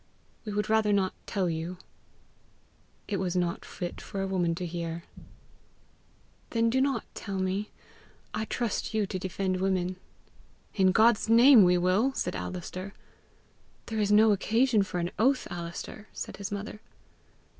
"We would rather not tell you." "It was not fit for a woman to hear." "Then do not tell me. I trust you to defend women." "In God's name we will!" said Alister. "There is no occasion for an oath, Alister!" said his mother.